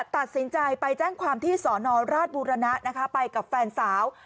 ตัดสินใจไปแจ้งความที่สอนอราชบุรณะไปกับแฟนสาว